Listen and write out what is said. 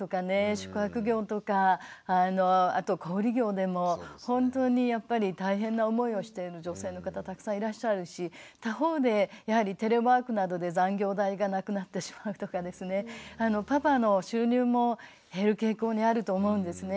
宿泊業とかあと小売業でも本当にやっぱり大変な思いをしている女性の方たくさんいらっしゃるし他方でやはりテレワークなどで残業代がなくなってしまうとかですねパパの収入も減る傾向にあると思うんですね。